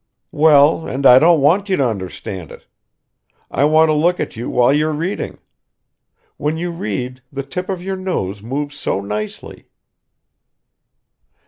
"Well and I don't want you to understand it. I want to look at you while you are reading. When you read the tip of your nose moves so nicely."